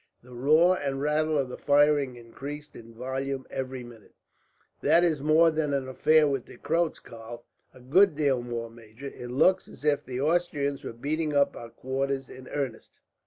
The roar and rattle of the firing increased in volume, every minute. "That is more than an affair with the Croats, Karl." "A good deal more, major. It looks as if the Austrians were beating up our quarters in earnest."